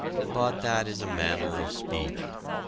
But that is a manner of speech.